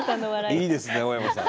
いいですね青山さん。